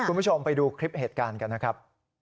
คุณผู้ชมไปดูคลิปเหตุการณ์กันนะครับ